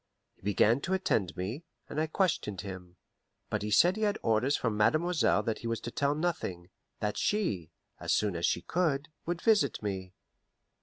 He began to attend me, and I questioned him; but he said he had orders from mademoiselle that he was to tell nothing that she, as soon as she could, would visit me.